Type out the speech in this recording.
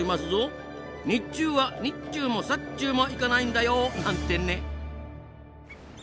日中はにっちゅうもさっちゅうもいかないんだよ！なんてね。